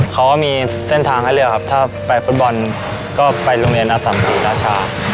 เขามีเส้นทางให้เลือกครับถ้าไปฟุตบอลก็ไปโรงเรียนอสัมศรีราชา